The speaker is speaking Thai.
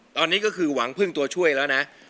ตอนนี้ก็คือหวังเพิ่งตัวช่วยนะครับ